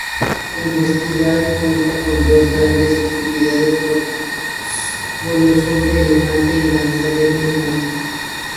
El festival cuenta con dos grandes actividades, polo sobre elefantes y danza del elefante.